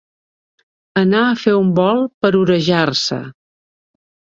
Anar a fer un volt per orejar-se.